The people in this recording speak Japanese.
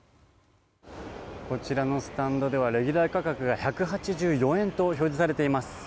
こちらのスタンドではレギュラー価格が１８４円と表示されています。